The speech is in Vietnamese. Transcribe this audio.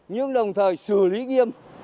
nhưng đồng thời xử lý nghiêm